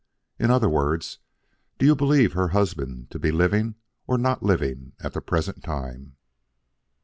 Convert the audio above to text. In other words, do you believe her husband to be living or not living at the present time?"